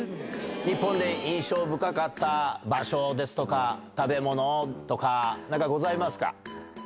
日本で印象深かった場所ですとか、食べ物とか、なんかございますか。